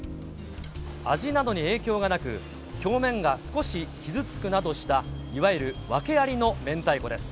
味などに影響がなく、表面が少し傷つくなどしたいわゆる訳ありのめんたいこです。